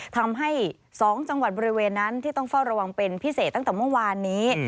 ทำให้๒จังหวัดบริเวณนั้นที่ต้องเฝ้าระวังเป็นพิเศษตั้งแต่เมื่อวานนี้